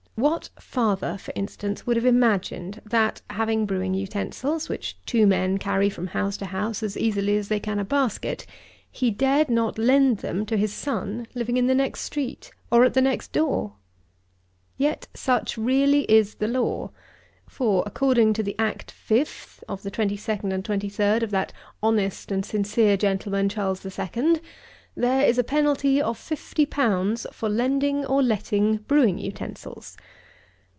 What father, for instance, would have imagined, that, having brewing utensils, which two men carry from house to house as easily as they can a basket, he dared not lend them to his son, living in the next street, or at the next door? Yet such really is the law; for, according to the Act 5th of the 22 and 23 of that honest and sincere gentleman Charles II., there is a penalty of 50_l._ for lending or letting brewing utensils.